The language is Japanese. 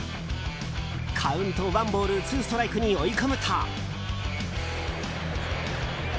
カウント、ワンボールツーストライクに追い込むと。